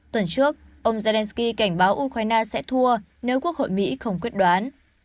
tuần trước ông zelensky cảnh báo ukraine sẽ thua nếu quốc hội mỹ không quyết đoán